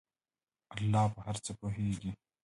الله په هر څه پوهیږي.